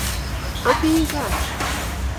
amii gaa